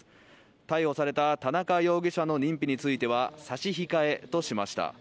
逮捕された田中容疑者の認否については「差し控え」としました。